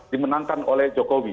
dimenangkan oleh jokowi